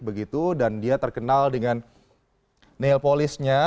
begitu dan dia terkenal dengan nail polish nya